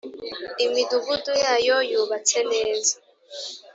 imidugudu yayo yubatse neza.